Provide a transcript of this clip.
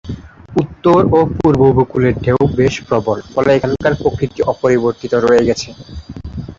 উত্তর ও পূর্ব উপকূলে ঢেউ বেশ প্রবল, ফলে এখানকার প্রকৃতি অপরিবর্তিত রয়ে গেছে।